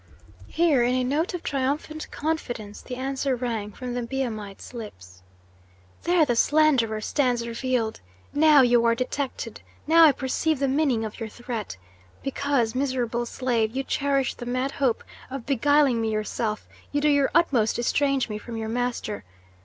Here, in a tone of triumphant confidence, the answer rang from the Biamite's lips: "There the slanderer stands revealed! Now you are detected, now I perceive the meaning of your threat. Because, miserable slave, you cherish the mad hope of beguiling me yourself, you do your utmost to estrange me from your master.